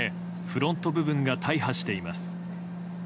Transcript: フロント部分が大破しています。